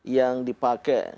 yang di pakai